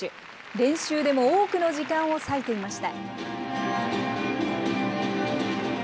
練習でも多くの時間を割いていました。